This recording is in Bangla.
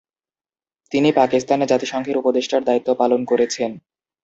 তিনি পাকিস্তানে জাতিসংঘের উপদেষ্টার দায়িত্ব পালন করেছেন।